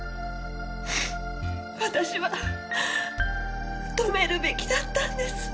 私は止めるべきだったんです。